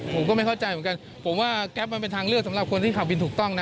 ผมก็ไม่เข้าใจเหมือนกันผมว่าแก๊ปมันเป็นทางเลือกสำหรับคนที่ขับวินถูกต้องนะ